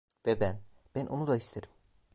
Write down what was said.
Ve ben, ben onu da isterim.